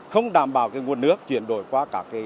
không đảm bảo nguồn nước chuyển đổi qua các hồ chứa